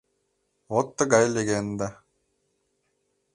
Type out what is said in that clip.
— Вот тыгай легенда...